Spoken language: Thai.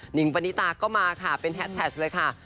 งปณิตาก็มาค่ะเป็นแฮดแท็กเลยค่ะ